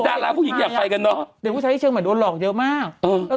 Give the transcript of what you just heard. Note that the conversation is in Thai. เด็กพุหญิงทำยังไงลูกขอไปไฟล์พาย้าด้วยทำไงนะ